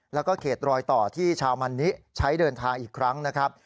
แล้วก็เขตรอยต่อที่ชาวมันนิใช้เดินทางอีกครั้งนะครับ